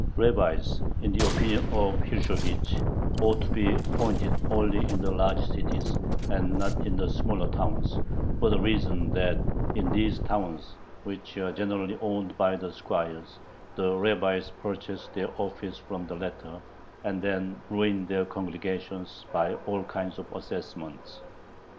Rabbis, in the opinion of Hirschovich, ought to be appointed only in the large cities, and not in the smaller towns, for the reason that in these towns, which are generally owned by the squires, the rabbis purchase their office from the latter, and then ruin their congregations by all kinds of assessments.